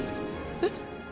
えっ？